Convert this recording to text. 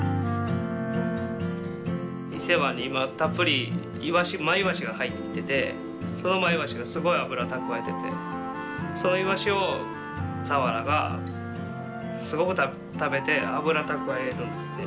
伊勢湾に今たっぷりマイワシが入ってきててそのマイワシがすごい脂を蓄えててそのイワシをサワラがすごく食べて脂を蓄えるんですね。